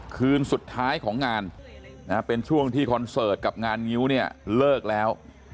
คืนสุดท้ายของงานเป็นช่วงที่คอนเสิร์ตกับงานงิ้วเนี่ยเลิกแล้ว